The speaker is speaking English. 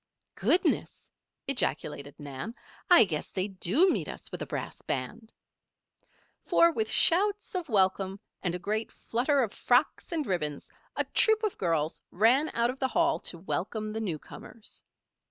"Goodness!" ejaculated Nan. "I guess they do meet us with a brass band!" For, with shouts of welcome, and a great flutter of frocks and ribbons, a troop of girls ran out of the Hall to welcome the newcomers.